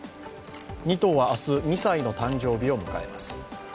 ２頭は明日、２歳の誕生日を迎えます。